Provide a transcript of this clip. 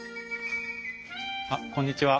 あっこんにちは。